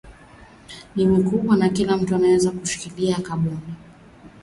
mikubwa Na kila mmoja aweze kushikilia kaboni